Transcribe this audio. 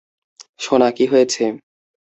সোনা, কী হয়েছে?